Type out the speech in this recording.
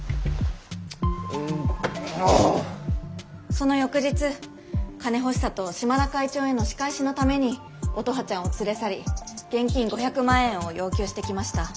その翌日金欲しさと島田会長への仕返しのために乙葉ちゃんを連れ去り現金５００万円を要求してきました。